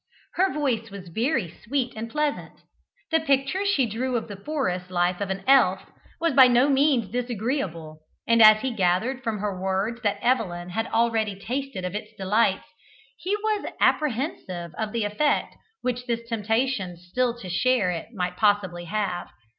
Her voice was very sweet and pleasant; the picture she drew of the forest life of an elf was by no means disagreeable, and as he gathered from her words that Evelyn had already tasted of its delights, he was apprehensive of the effect which this temptation still to share it might possibly have.